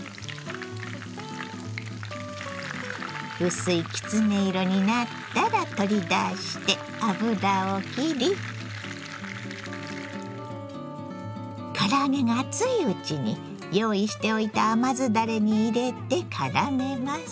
薄いきつね色になったら取り出して油をきり唐揚げが熱いうちに用意しておいた甘酢だれに入れてからめます。